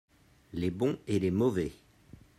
les bons et les mauvais.